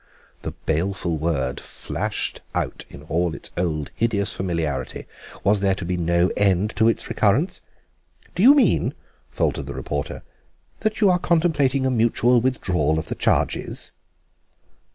The baleful word flashed out in all its old hideous familiarity. Was there to be no end to its recurrence? "Do you mean," faltered the reporter, "that you are contemplating a mutual withdrawal of the charges?"